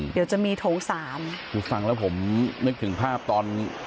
ได้ฟังแล้วผมนึกถึงภาพตอน